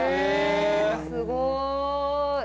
・すごい。